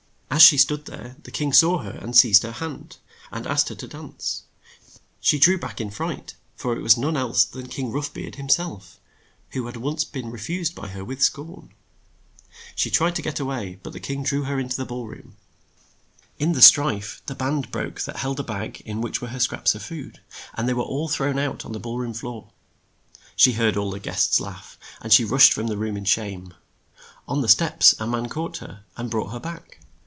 As she stood there, the king saw her, and seized her hand, and asked her to dance She drew back in a fright, for it was none else than King Rough Beard him self, who had once been re fused by her with scorn. She tried to get a way, but the king drew her in to the ball roon. In the €> THE DRUNKEN SOLDIER, KING ROUGH BEARD 41 strife the band broke that held a bag in which were her scraps of food, and they were all thrown out on the ball room floor. She heard all the guests laugh, and rushed from the room in shame. On the steps a man caught her, and brought her back.